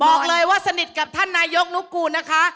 บอกเลยว่าสนิทกับท่านนายกนุกูลนะคะ